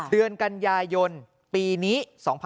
เดือนกันยายนปีนี้๒๕๖๒